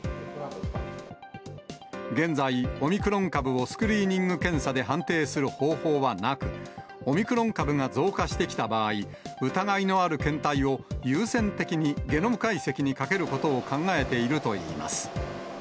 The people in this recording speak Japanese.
現在、オミクロン株をスクリーニング検査で判定する方法はなく、オミクロン株が増加してきた場合、疑いのある検体を優先的にゲノム解析にかけることを考えているといいます。